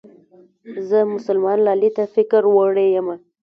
زه مسلمان لالي ته فکر وړې يمه